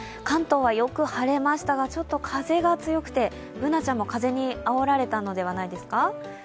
関東はよく晴れましたがちょっと風が強くて、Ｂｏｏｎａちゃんも風にあおられたのではないですか。